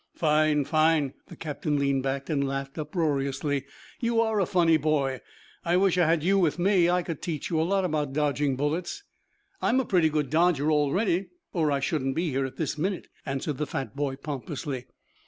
"Fine, fine!" The captain leaned back and laughed uproariously. "You are a funny boy. I wish I had you with me. I could teach you a lot about dodging bullets." "I'm a pretty good dodger already or I shouldn't be here at this minute," answered the fat boy pompously.